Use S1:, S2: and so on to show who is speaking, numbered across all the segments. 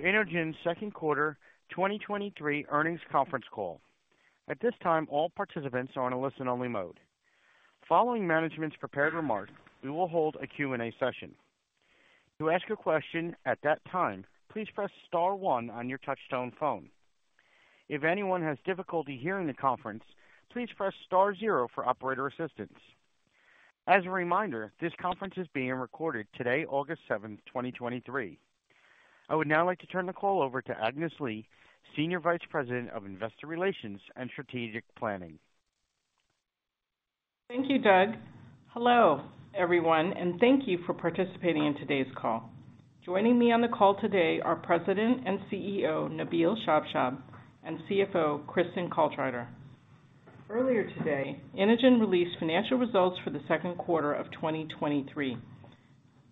S1: Inogen's second quarter 2023 earnings conference call. At this time, all participants are on a listen-only mode. Following management's prepared remarks, we will hold a Q&A session. To ask a question at that time, please press star one on your touchtone phone. If anyone has difficulty hearing the conference, please press star zero for operator assistance. As a reminder, this conference is being recorded today, August 7, 2023. I would now like to turn the call over to Agnes Lee, Senior Vice President of Investor Relations and Strategic Planning.
S2: Thank you, Doug. Hello, everyone, and thank you for participating in today's call. Joining me on the call today are President and CEO, Nabil Shabshab, and CFO, Kristin Caltrider. Earlier today, Inogen released financial results for the second quarter of 2023.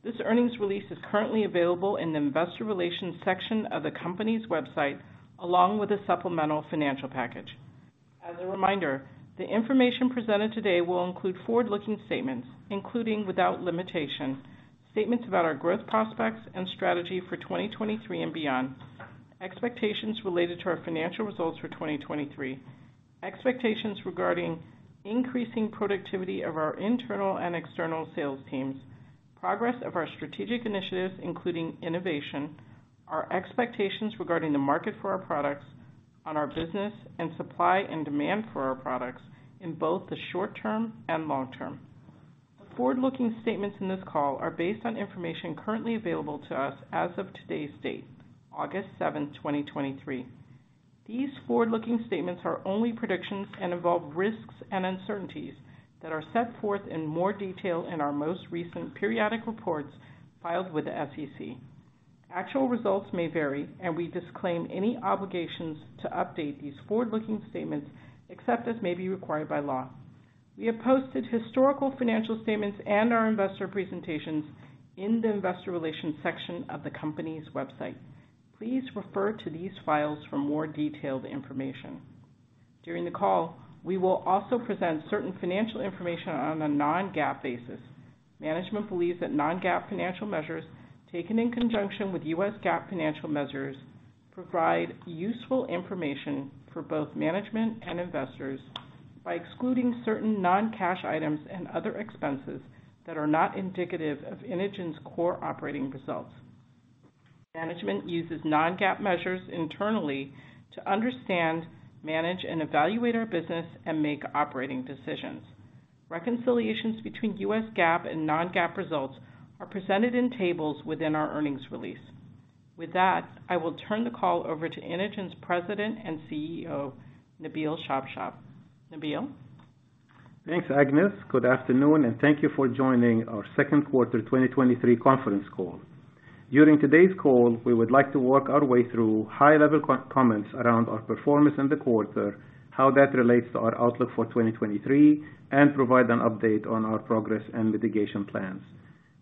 S2: This earnings release is currently available in the Investor Relations section of the company's website, along with a supplemental financial package. As a reminder, the information presented today will include forward-looking statements, including without limitation, statements about our growth prospects and strategy for 2023 and beyond, expectations related to our financial results for 2023, expectations regarding increasing productivity of our internal and external sales teams, progress of our strategic initiatives, including innovation, our expectations regarding the market for our products on our business, and supply and demand for our products in both the short term and long term. The forward-looking statements in this call are based on information currently available to us as of today's date, August seventh, 2023. These forward-looking statements are only predictions and involve risks and uncertainties that are set forth in more detail in our most recent periodic reports filed with the SEC. Actual results may vary, and we disclaim any obligations to update these forward-looking statements, except as may be required by law. We have posted historical financial statements and our investor presentations in the investor relations section of the company's website. Please refer to these files for more detailed information. During the call, we will also present certain financial information on a non-GAAP basis. Management believes that non-GAAP financial measures, taken in conjunction with U.S. GAAP financial measures, provide useful information for both management and investors by excluding certain non-cash items and other expenses that are not indicative of Inogen's core operating results. Management uses non-GAAP measures internally to understand, manage, and evaluate our business and make operating decisions. Reconciliations between U.S. GAAP and non-GAAP results are presented in tables within our earnings release. With that, I will turn the call over to Inogen's President and CEO, Nabil Shabshab. Nabil?
S3: Thanks, Agnes. Good afternoon, and thank you for joining our second quarter 2023 conference call. During today's call, we would like to work our way through high-level co-comments around our performance in the quarter, how that relates to our outlook for 2023, and provide an update on our progress and mitigation plans.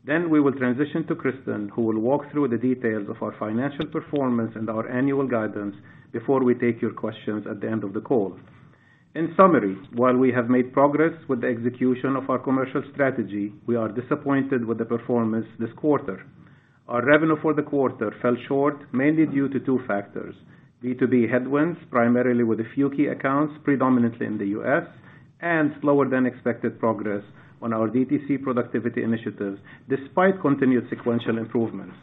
S3: We will transition to Kristin, who will walk through the details of our financial performance and our annual guidance before we take your questions at the end of the call. In summary, while we have made progress with the execution of our commercial strategy, we are disappointed with the performance this quarter. Our revenue for the quarter fell short, mainly due to two factors: B2B headwinds, primarily with a few key accounts, predominantly in the US, and slower than expected progress on our DTC productivity initiatives, despite continued sequential improvements.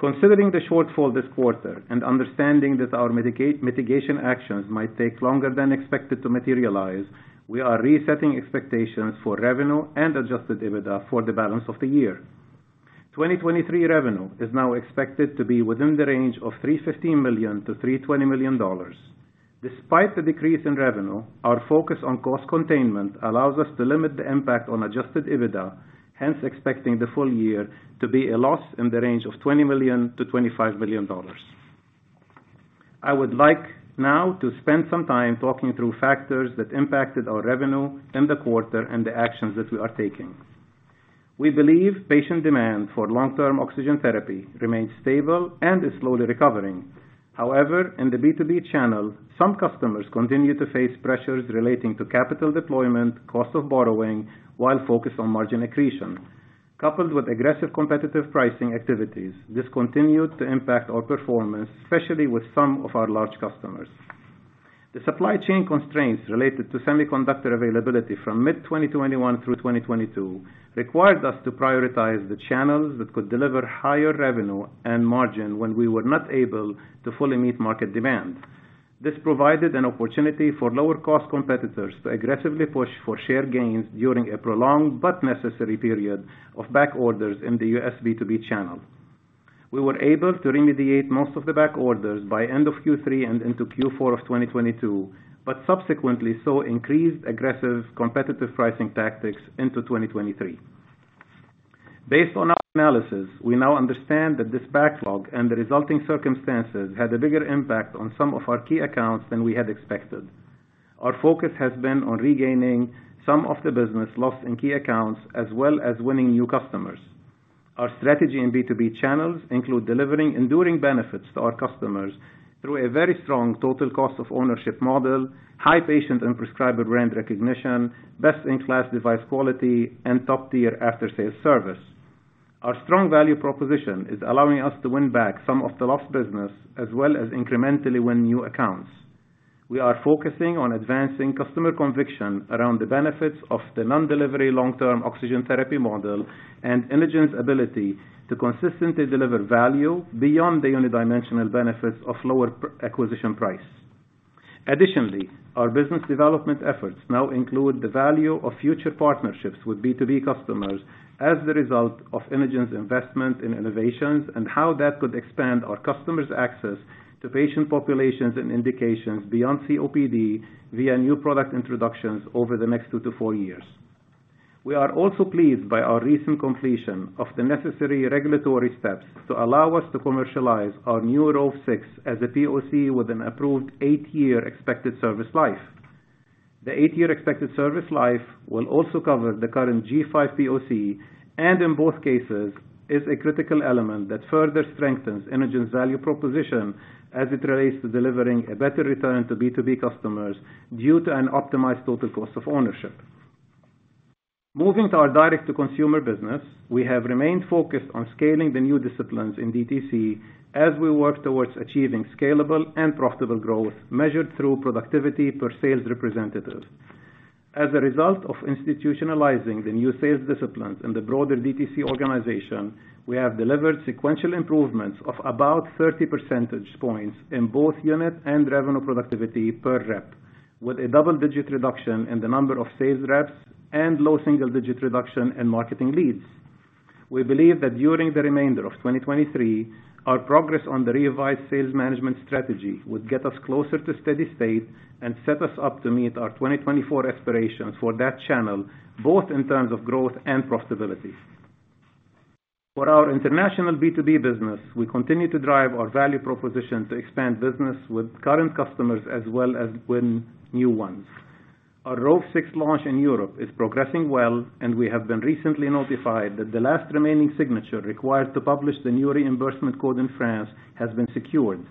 S3: Considering the shortfall this quarter and understanding that our mitigation actions might take longer than expected to materialize, we are resetting expectations for revenue and adjusted EBITDA for the balance of the year. 2023 revenue is now expected to be within the range of $315 million-$320 million. Despite the decrease in revenue, our focus on cost containment allows us to limit the impact on adjusted EBITDA, hence expecting the full year to be a loss in the range of $20 million-$25 million. I would like now to spend some time talking through factors that impacted our revenue in the quarter and the actions that we are taking. We believe patient demand for long-term oxygen therapy remains stable and is slowly recovering. However, in the B2B channel, some customers continue to face pressures relating to capital deployment, cost of borrowing, while focused on margin accretion. Coupled with aggressive competitive pricing activities, this continued to impact our performance, especially with some of our large customers. The supply chain constraints related to semiconductor availability from mid-2021 through 2022 required us to prioritize the channels that could deliver higher revenue and margin when we were not able to fully meet market demand. This provided an opportunity for lower-cost competitors to aggressively push for share gains during a prolonged but necessary period of backorders in the U.S. B2B channel. We were able to remediate most of the backorders by end of Q3 and into Q4 of 2022, but subsequently saw increased aggressive competitive pricing tactics into 2023. Based on our analysis, we now understand that this backlog and the resulting circumstances had a bigger impact on some of our key accounts than we had expected. Our focus has been on regaining some of the business lost in key accounts, as well as winning new customers. Our strategy in B2B channels include delivering enduring benefits to our customers through a very strong total cost of ownership model, high patient and prescriber brand recognition, best-in-class device quality, and top-tier after-sales service. Our strong value proposition is allowing us to win back some of the lost business as well as incrementally win new accounts. We are focusing on advancing customer conviction around the benefits of the non-delivery long-term oxygen therapy model and Inogen's ability to consistently deliver value beyond the unidimensional benefits of lower pre- acquisition price. Additionally, our business development efforts now include the value of future partnerships with B2B customers as the result of Inogen's investment in innovations, and how that could expand our customers' access to patient populations and indications beyond COPD via new product introductions over the next two to four years. We are also pleased by our recent completion of the necessary regulatory steps to allow us to commercialize our new Rove 6 as a POC with an approved eight year expected service life. The eight year expected service life will also cover the current G5 POC, and in both cases, is a critical element that further strengthens Inogen's value proposition as it relates to delivering a better return to B2B customers due to an optimized total cost of ownership. Moving to our direct-to-consumer business, we have remained focused on scaling the new disciplines in DTC as we work towards achieving scalable and profitable growth, measured through productivity per sales representative. As a result of institutionalizing the new sales disciplines in the broader DTC organization, we have delivered sequential improvements of about 30 percentage points in both unit and revenue productivity per rep, with a double-digit reduction in the number of sales reps and low single-digit reduction in marketing leads. We believe that during the remainder of 2023, our progress on the revised sales management strategy will get us closer to steady state and set us up to meet our 2024 expectations for that channel, both in terms of growth and profitability. For our international B2B business, we continue to drive our value proposition to expand business with current customers as well as win new ones. Our Rove 6 launch in Europe is progressing well. We have been recently notified that the last remaining signature required to publish the new reimbursement code in France has been secured.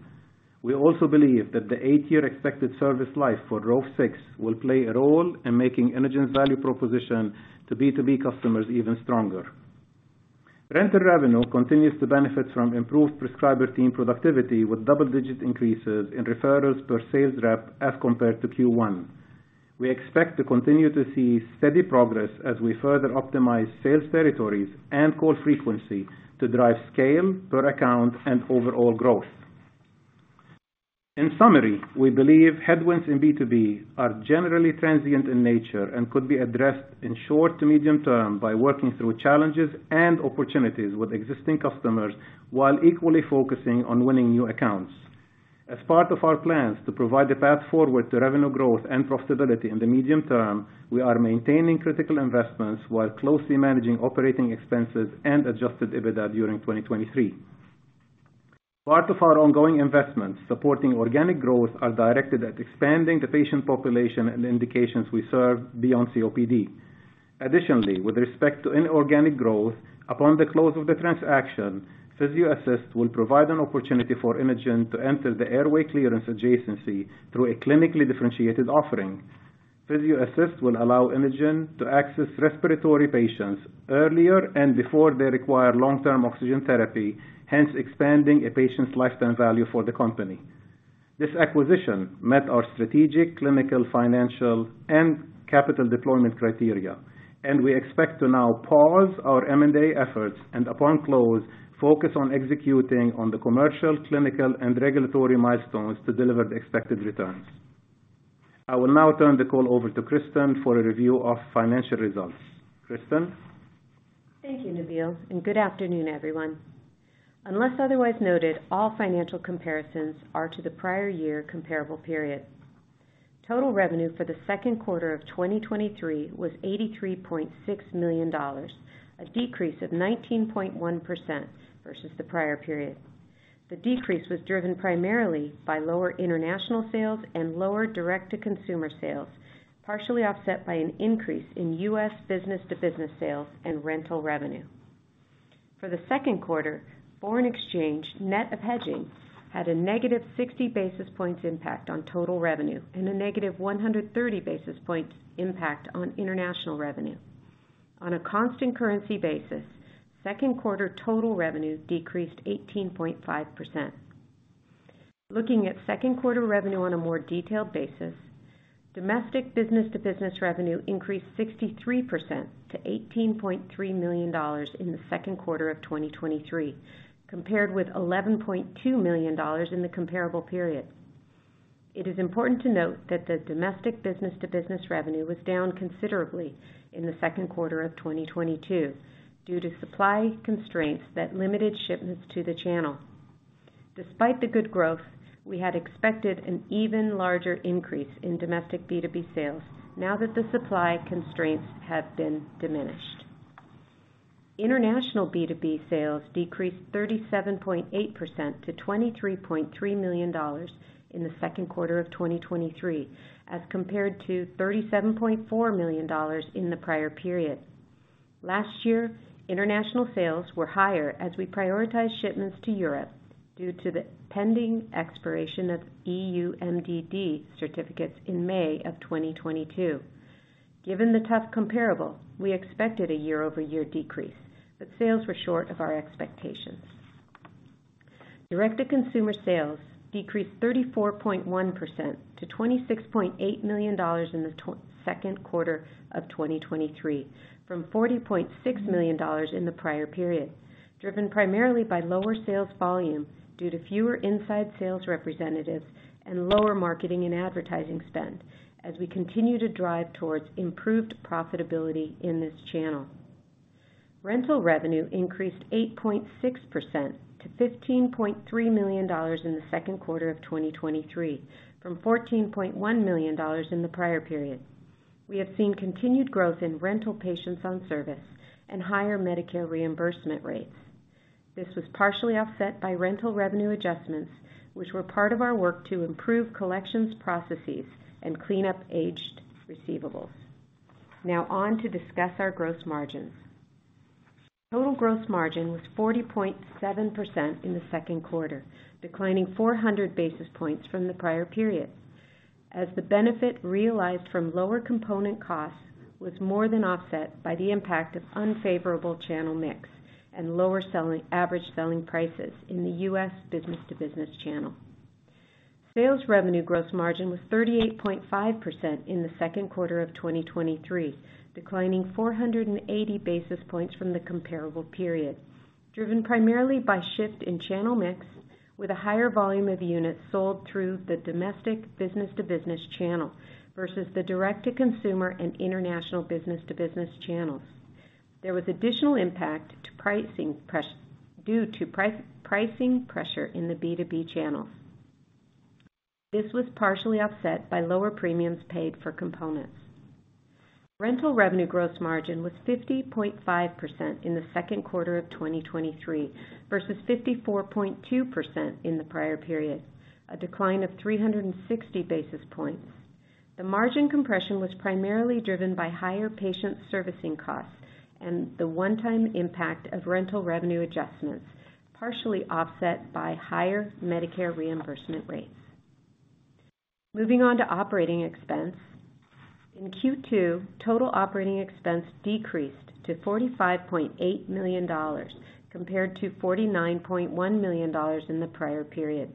S3: We also believe that the 8-year expected service life for Rove 6 will play a role in making Inogen's value proposition to B2B customers even stronger. Rental revenue continues to benefit from improved prescriber team productivity, with double-digit increases in referrals per sales rep as compared to Q1. We expect to continue to see steady progress as we further optimize sales territories and call frequency to drive scale per account and overall growth. In summary, we believe headwinds in B2B are generally transient in nature and could be addressed in short to medium-term by working through challenges and opportunities with existing customers, while equally focusing on winning new accounts. As part of our plans to provide a path forward to revenue growth and profitability in the medium term, we are maintaining critical investments while closely managing operating expenses and adjusted EBITDA during 2023. Part of our ongoing investments supporting organic growth are directed at expanding the patient population and indications we serve beyond COPD. Additionally, with respect to inorganic growth, upon the close of the transaction, Physio-Assist will provide an opportunity for Inogen to enter the airway clearance adjacency through a clinically differentiated offering. Physio-Assist will allow Inogen to access respiratory patients earlier and before they require long-term oxygen therapy, hence expanding a patient's lifetime value for the company. This acquisition met our strategic, clinical, financial, and capital deployment criteria, and we expect to now pause our M&A efforts, and upon close, focus on executing on the commercial, clinical, and regulatory milestones to deliver the expected returns. I will now turn the call over to Kristin for a review of financial results. Kristin?
S4: Thank you, Nabil. Good afternoon, everyone. Unless otherwise noted, all financial comparisons are to the prior year comparable period. Total revenue for the second quarter of 2023 was $83.6 million, a decrease of 19.1% versus the prior period. The decrease was driven primarily by lower international sales and lower direct-to-consumer sales, partially offset by an increase in U.S. business-to-business sales and rental revenue. For the second quarter, foreign exchange net of hedging had a negative 60 basis points impact on total revenue and a negative 130 basis points impact on international revenue. On a constant currency basis, second quarter total revenue decreased 18.5%. Looking at second quarter revenue on a more detailed basis, domestic business-to-business revenue increased 63% to $18.3 million in the second quarter of 2023, compared with $11.2 million in the comparable period. It is important to note that the domestic business-to-business revenue was down considerably in the second quarter of 2022 due to supply constraints that limited shipments to the channel. Despite the good growth, we had expected an even larger increase in domestic B2B sales now that the supply constraints have been diminished. International B2B sales decreased 37.8% to $23.3 million in the second quarter of 2023, as compared to $37.4 million in the prior period. Last year, international sales were higher as we prioritized shipments to Europe due to the pending expiration of EU MDD certificates in May of 2022. Given the tough comparable, we expected a year-over-year decrease, but sales were short of our expectations. Direct-to-consumer sales decreased 34.1% to $26.8 million in the second quarter of 2023, from $40.6 million in the prior period, driven primarily by lower sales volume due to fewer inside sales representatives and lower marketing and advertising spend, as we continue to drive towards improved profitability in this channel. Rental revenue increased 8.6% to $15.3 million in the second quarter of 2023, from $14.1 million in the prior period. We have seen continued growth in rental patients on service and higher Medicare reimbursement rates. This was partially offset by rental revenue adjustments, which were part of our work to improve collections processes and clean up aged receivables. Now on to discuss our gross margins. Total gross margin was 40.7% in the second quarter, declining 400 basis points from the prior period, as the benefit realized from lower component costs was more than offset by the impact of unfavorable channel mix and average selling prices in the U.S. B2B channel. Sales revenue gross margin was 38.5% in the second quarter of 2023, declining 480 basis points from the comparable period, driven primarily by shift in channel mix, with a higher volume of units sold through the domestic B2B channel versus the direct-to-consumer and international B2B channels. There was additional impact to pricing pressure in the B2B channels. This was partially offset by lower premiums paid for components. Rental revenue gross margin was 50.5% in the second quarter of 2023, versus 54.2% in the prior period, a decline of 360 basis points. The margin compression was primarily driven by higher patient servicing costs and the one-time impact of rental revenue adjustments, partially offset by higher Medicare reimbursement rates. Moving on to operating expense. In Q2, total operating expense decreased to $45.8 million, compared to $49.1 million in the prior period,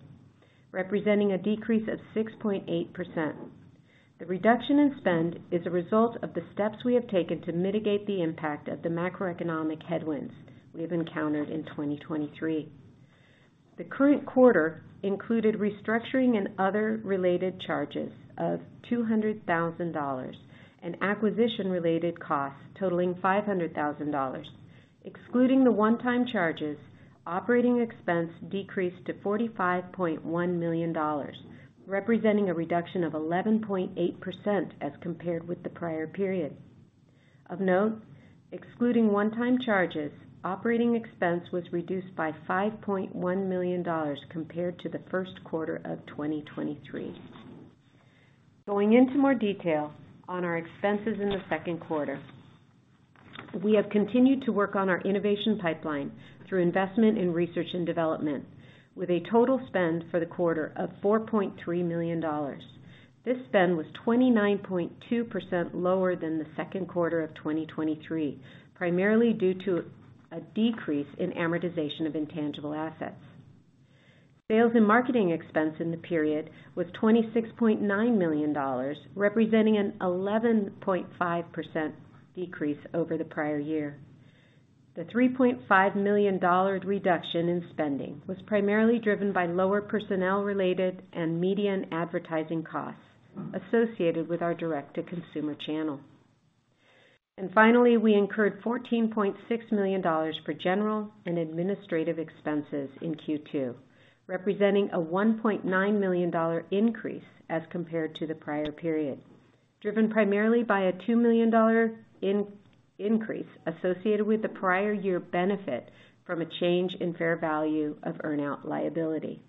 S4: representing a decrease of 6.8%. The reduction in spend is a result of the steps we have taken to mitigate the impact of the macroeconomic headwinds we have encountered in 2023. The current quarter included restructuring and other related charges of $200,000 and acquisition-related costs totaling $500,000. Excluding the one-time charges, operating expense decreased to $45.1 million, representing a reduction of 11.8% as compared with the prior period. Of note, excluding one-time charges, operating expense was reduced by $5.1 million compared to the first quarter of 2023. Going into more detail on our expenses in the second quarter. We have continued to work on our innovation pipeline through investment in research and development, with a total spend for the quarter of $4.3 million. This spend was 29.2% lower than the second quarter of 2023, primarily due to a decrease in amortization of intangible assets. Sales and marketing expense in the period was $26.9 million, representing an 11.5% decrease over the prior year. The $3.5 million reduction in spending was primarily driven by lower personnel-related and media and advertising costs associated with our direct-to-consumer channel. Finally, we incurred $14.6 million for general and administrative expenses in Q2, representing a $1.9 million increase as compared to the prior period, driven primarily by a $2 million increase associated with the prior year benefit from a change in fair value of earn-out liability.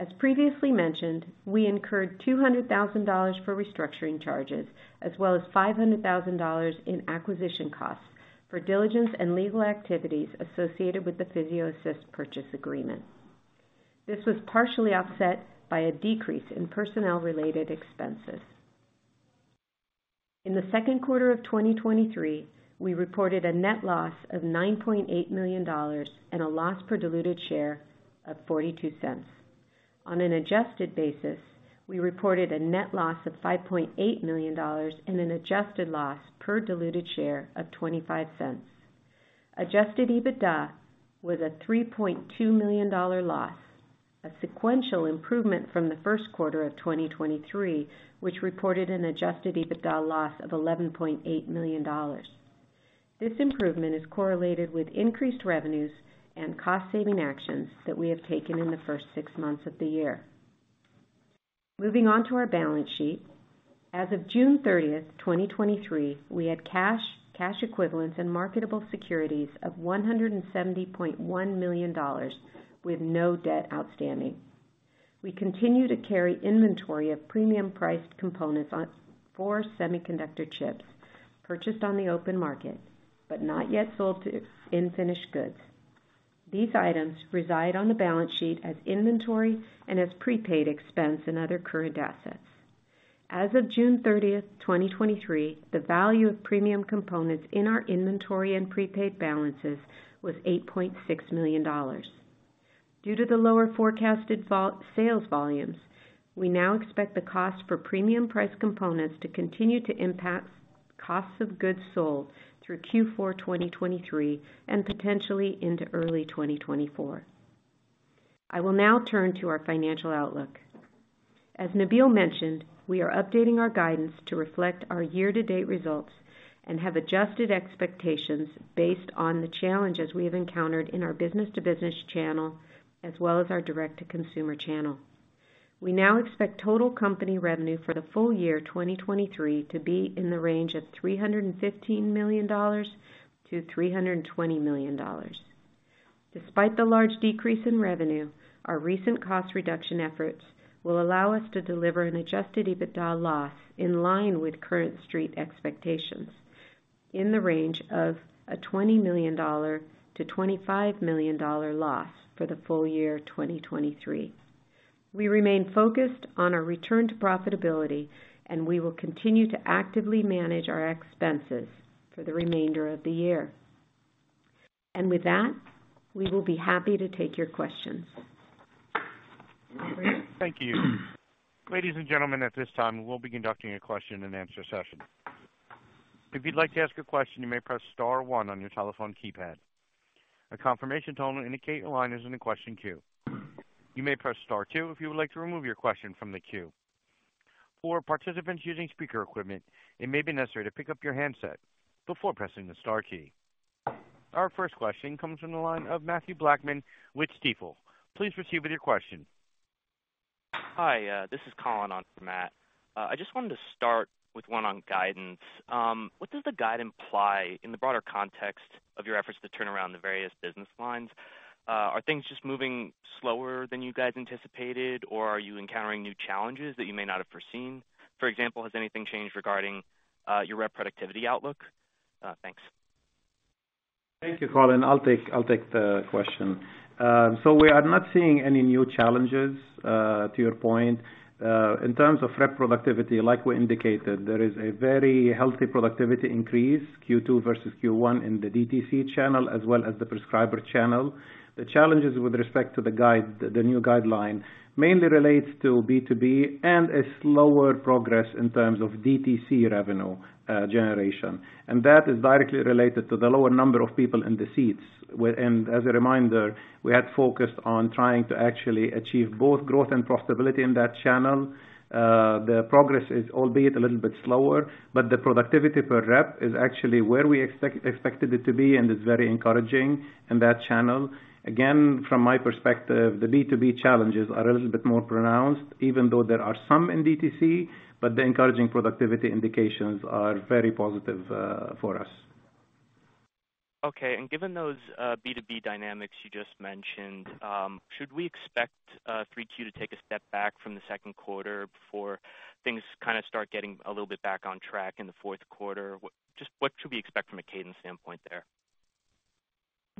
S4: As previously mentioned, we incurred $200,000 for restructuring charges, as well as $500,000 in acquisition costs for diligence and legal activities associated with the Physio-Assist purchase agreement. This was partially offset by a decrease in personnel-related expenses. In the second quarter of 2023, we reported a net loss of $9.8 million and a loss per diluted share of $0.42. On an adjusted basis, we reported a net loss of $5.8 million and an adjusted loss per diluted share of $0.25. Adjusted EBITDA was a $3.2 million loss, a sequential improvement from the first quarter of 2023, which reported an adjusted EBITDA loss of $11.8 million. This improvement is correlated with increased revenues and cost-saving actions that we have taken in the first six months of the year. Moving on to our balance sheet. As of June 30, 2023, we had cash, cash equivalents, and marketable securities of $170.1 million, with no debt outstanding. We continue to carry inventory of premium-priced components for semiconductor chips purchased on the open market, but not yet sold to in finished goods. These items reside on the balance sheet as inventory and as prepaid expense and other current assets. As of June 30th, 2023, the value of premium components in our inventory and prepaid balances was $8.6 million. Due to the lower forecasted sales volumes, we now expect the cost for premium price components to continue to impact costs of goods sold through Q4, 2023, and potentially into early 2024. I will now turn to our financial outlook. As Nabil mentioned, we are updating our guidance to reflect our year-to-date results and have adjusted expectations based on the challenges we have encountered in our business-to-business channel, as well as our direct-to-consumer channel. We now expect total company revenue for the full year, 2023, to be in the range of $315 million-$320 million. Despite the large decrease in revenue, our recent cost reduction efforts will allow us to deliver an adjusted EBITDA loss in line with current street expectations, in the range of a $20 million-$25 million loss for the full year, 2023. We remain focused on our return to profitability, and we will continue to actively manage our expenses for the remainder of the year. With that, we will be happy to take your questions.
S1: Thank you. Ladies and gentlemen, at this time, we'll be conducting a question-and-answer session. If you'd like to ask a question, you may press star one on your telephone keypad. A confirmation tone will indicate your line is in the question queue. You may press star two if you would like to remove your question from the queue. For participants using speaker equipment, it may be necessary to pick up your handset before pressing the star key. Our first question comes from the line of Mathew Blackman with Stifel. Please proceed with your question.
S5: Hi, this is Colin on for Matt. I just wanted to start with one on guidance. What does the guide imply in the broader context of your efforts to turn around the various business lines? Are things just moving slower than you guys anticipated, or are you encountering new challenges that you may not have foreseen? For example, has anything changed regarding your rep productivity outlook? Thanks.
S3: Thank you, Colin. I'll take, I'll take the question. We are not seeing any new challenges to your point. In terms of rep productivity, like we indicated, there is a very healthy productivity increase, Q2 versus Q1 in the DTC channel as well as the prescriber channel. The challenges with respect to the guide, the new guideline, mainly relates to B2B and a slower progress in terms of DTC revenue generation. That is directly related to the lower number of people in the seats. As a reminder, we had focused on trying to actually achieve both growth and profitability in that channel. The progress is albeit a little bit slower, but the productivity per rep is actually where we expected it to be and is very encouraging in that channel. Again, from my perspective, the B2B challenges are a little bit more pronounced, even though there are some in DTC, but the encouraging productivity indications are very positive for us.
S5: Okay. Given those B2B dynamics you just mentioned, should we expect 3Q to take a step back from the second quarter before things kind of start getting a little bit back on track in the 4Q? Just what should we expect from a cadence standpoint there?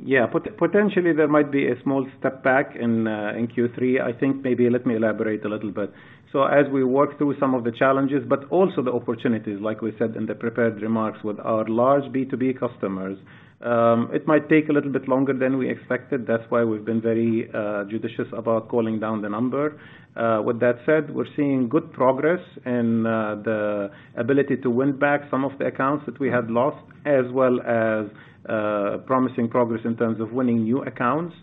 S3: Yeah. Potentially, there might be a small step back in Q3. I think maybe let me elaborate a little bit. So as we work through some of the challenges, but also the opportunities, like we said in the prepared remarks, with our large B2B customers, it might take a little bit longer than we expected. That's why we've been very judicious about calling down the number. With that said, we're seeing good progress in the ability to win back some of the accounts that we had lost, as well as promising progress in terms of winning new accounts.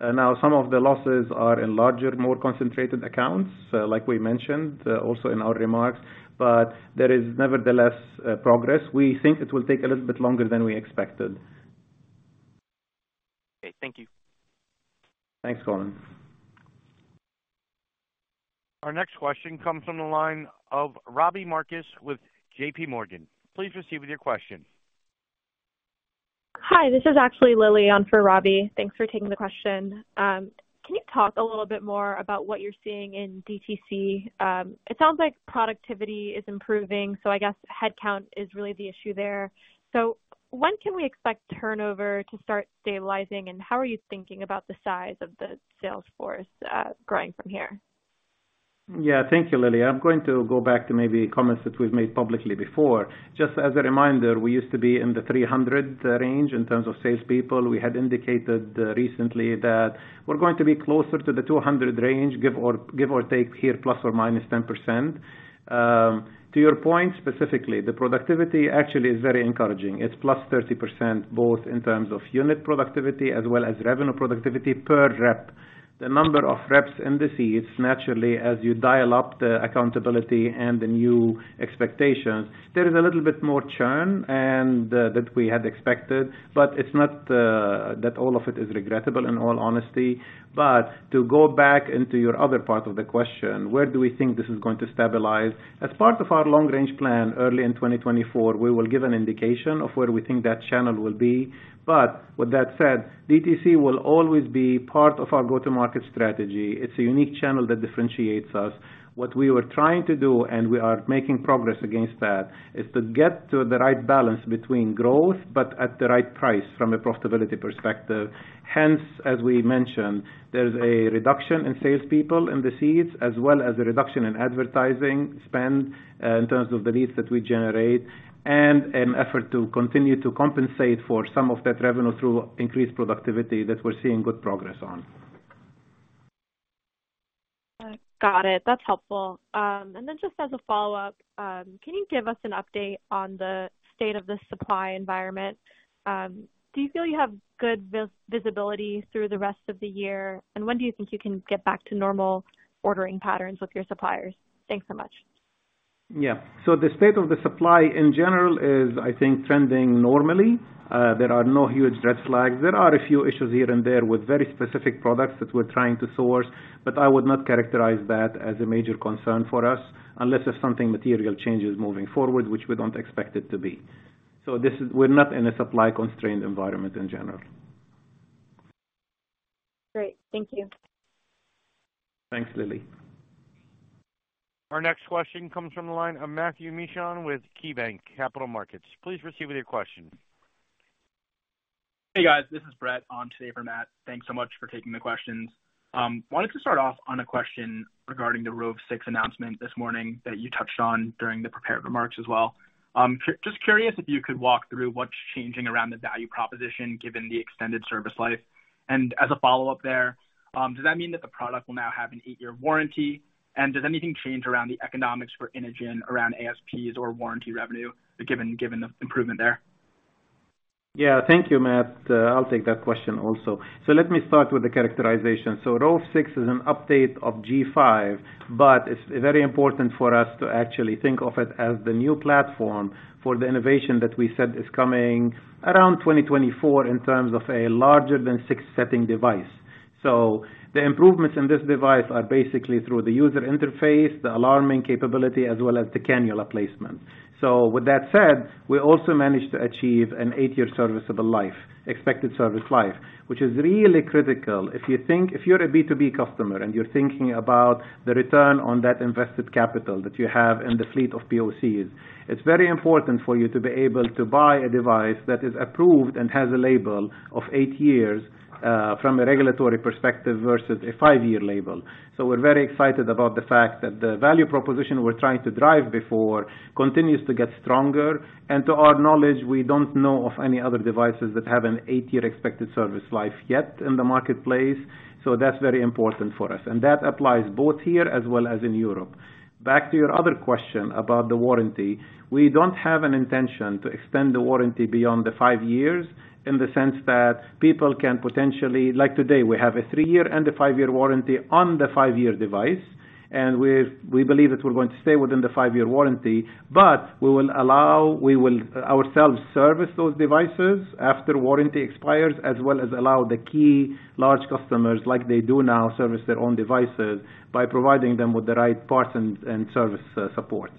S3: Now some of the losses are in larger, more concentrated accounts, like we mentioned, also in our remarks, but there is nevertheless progress. We think it will take a little bit longer than we expected.
S5: Okay. Thank you.
S3: Thanks, Colin.
S1: Our next question comes from the line of Robbie Marcus with JP Morgan. Please proceed with your question. Hi, this is actually Lily on for Robbie. Thanks for taking the question. Can you talk a little bit more about what you're seeing in DTC? It sounds like productivity is improving, so I guess headcount is really the issue there. When can we expect turnover to start stabilizing, and how are you thinking about the size of the sales force growing from here?
S3: Yeah. Thank you, Lily. I'm going to go back to maybe comments that we've made publicly before. Just as a reminder, we used to be in the 300 range in terms of salespeople. We had indicated recently that we're going to be closer to the 200 range, give or, give or take here, ±10%. To your point, specifically, the productivity actually is very encouraging. It's +30%, both in terms of unit productivity as well as revenue productivity per rep. The number of reps in the seats, naturally, as you dial up the accountability and the new expectations, there is a little bit more churn and that we had expected, but it's not that all of it is regrettable, in all honesty. To go back into your other part of the question, where do we think this is going to stabilize? As part of our long-range plan, early in 2024, we will give an indication of where we think that channel will be. With that said, DTC will always be part of our go-to-market strategy. It's a unique channel that differentiates us. What we were trying to do, and we are making progress against that, is to get to the right balance between growth but at the right price from a profitability perspective. Hence, as we mentioned, there's a reduction in salespeople in the seats, as well as a reduction in advertising spend, in terms of the leads that we generate, and an effort to continue to compensate for some of that revenue through increased productivity that we're seeing good progress on. got it, that's helpful, then just as a follow-up, can you give us an update on the state of the supply environment? Do you feel you have good visibility through the rest of the year? When do you think you can get back to normal ordering patterns with your suppliers? Thanks so much. Yeah. The state of the supply in general is, I think, trending normally. There are no huge red flags. There are a few issues here and there with very specific products that we're trying to source, but I would not characterize that as a major concern for us, unless there's something material changes moving forward, which we don't expect it to be. We're not in a supply-constrained environment in general. Great. Thank you. Thanks, Lily.
S1: Our next question comes from the line of Matthew Mishan with KeyBanc Capital Markets. Please proceed with your question.
S6: Hey, guys, this is Brett on today for Matt. Thanks so much for taking the questions. Wanted to start off on a question regarding the Rove 6 announcement this morning that you touched on during the prepared remarks as well. Just curious if you could walk through what's changing around the value proposition, given the extended service life. As a follow-up there, does that mean that the product will now have an eight-year warranty? Does anything change around the economics for Inogen around ASPs or warranty revenue, given, given the improvement there?
S3: Yeah. Thank you, Matt. I'll take that question also. Let me start with the characterization. Rove 6 is an update of G5, but it's very important for us to actually think of it as the new platform for the innovation that we said is coming around 2024 in terms of a larger than 6 setting device. The improvements in this device are basically through the user interface, the alarming capability, as well as the cannula placement. With that said, we also managed to achieve an 8-year serviceable life, expected service life, which is really critical. If you're a B2B customer, and you're thinking about the return on that invested capital that you have in the fleet of POCs, it's very important for you to be able to buy a device that is approved and has a label of 8 years from a regulatory perspective versus a five year label. We're very excited about the fact that the value proposition we're trying to drive before continues to get stronger, and to our knowledge, we don't know of any other devices that have an 8-year expected service life yet in the marketplace. That's very important for us, and that applies both here as well as in Europe. Back to your other question about the warranty. We don't have an intention to extend the warranty beyond the 5 years, in the sense that people can potentially Like today, we have a three year and a five year warranty on the five year device, and we, we believe that we're going to stay within the five year warranty. We will ourselves service those devices after warranty expires, as well as allow the key large customers, like they do now, service their own devices by providing them with the right parts and, and service support.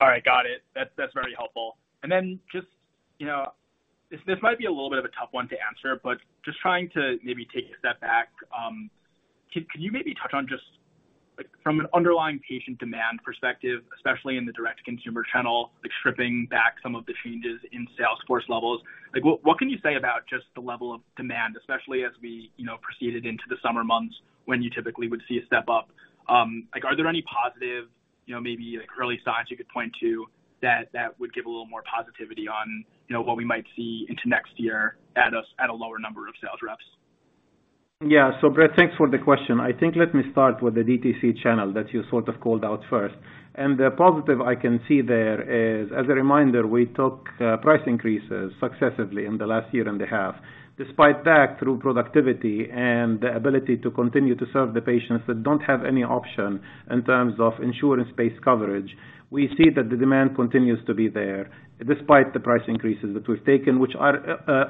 S6: All right, got it. That's, that's very helpful, and then just, you know, this, this might be a little bit of a tough one to answer, but just trying to maybe take a step back. Can, can you maybe touch on just, like, from an underlying patient demand perspective, especially in the direct-to-consumer channel, like, stripping back some of the changes in sales force levels? Like, what, what can you say about just the level of demand, especially as we, you know, proceeded into the summer months when you typically would see a step up? Like, are there any positive, you know, maybe, like, early signs you could point to that, that would give a little more positivity on, you know, what we might see into next year at a, at a lower number of sales reps?
S3: Yeah. Brett, thanks for the question. I think let me start with the DTC channel that you sort of called out first. The positive I can see there is, as a reminder, we took price increases successively in the last year and a half. Despite that, through productivity and the ability to continue to serve the patients that don't have any option in terms of insurance-based coverage, we see that the demand continues to be there, despite the price increases that we've taken, which are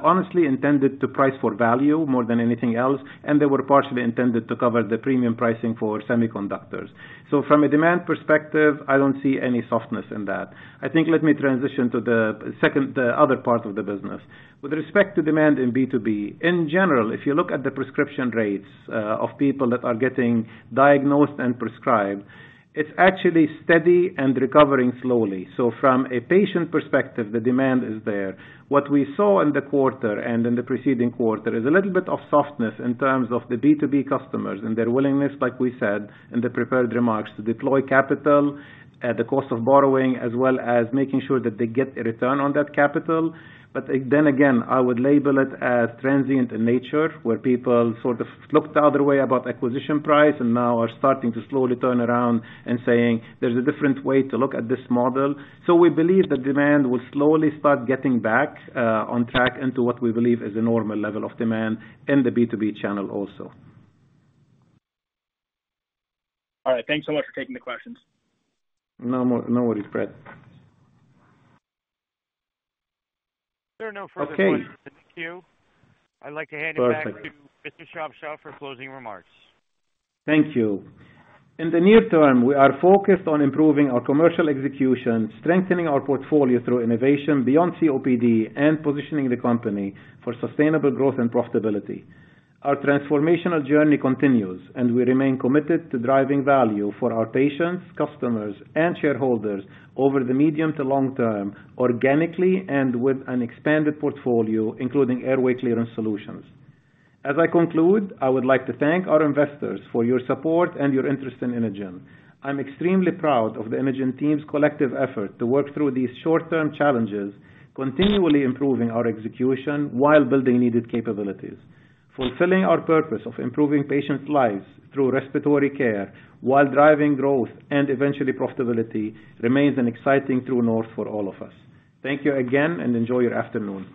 S3: honestly intended to price for value more than anything else, and they were partially intended to cover the premium pricing for semiconductors. From a demand perspective, I don't see any softness in that. I think let me transition to the second, the other part of the business. With respect to demand in B2B, in general, if you look at the prescription rates of people that are getting diagnosed and prescribed, it's actually steady and recovering slowly. From a patient perspective, the demand is there. What we saw in the quarter and in the preceding quarter is a little bit of softness in terms of the B2B customers and their willingness, like we said in the prepared remarks, to deploy capital at the cost of borrowing, as well as making sure that they get a return on that capital. Again, I would label it as transient in nature, where people sort of looked the other way about acquisition price and now are starting to slowly turn around and saying: There's a different way to look at this model. We believe the demand will slowly start getting back on track into what we believe is a normal level of demand in the B2B channel also.
S6: All right. Thanks so much for taking the questions.
S3: No worries, Brett.
S1: There are no further questions in the queue.
S3: Okay.
S1: I'd like to hand.
S3: Perfect
S1: back to Mr. Shabshab for closing remarks.
S3: Thank you. In the near term, we are focused on improving our commercial execution, strengthening our portfolio through innovation beyond COPD, and positioning the company for sustainable growth and profitability. Our transformational journey continues. We remain committed to driving value for our patients, customers, and shareholders over the medium to long term, organically and with an expanded portfolio, including airway clearance solutions. As I conclude, I would like to thank our investors for your support and your interest in Inogen. I'm extremely proud of the Inogen team's collective effort to work through these short-term challenges, continually improving our execution while building needed capabilities. Fulfilling our purpose of improving patients' lives through respiratory care, while driving growth and eventually profitability, remains an exciting true north for all of us. Thank you again and enjoy your afternoon.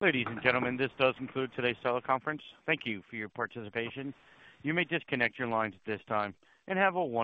S1: Ladies and gentlemen, this does conclude today's teleconference. Thank you for your participation. You may disconnect your lines at this time and have a wonderful day.